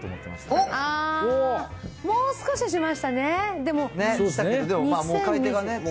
おー、もう少ししましたね。